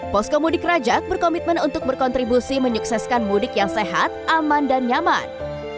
poskomudik rajak berkomitmen untuk berkontribusi menyukseskan mudik yang sehat aman dan nyaman